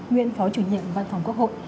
nguyên phó chủ nhiệm văn phòng quốc hội